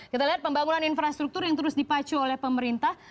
kita lihat pembangunan infrastruktur yang terus dipacu oleh pemerintah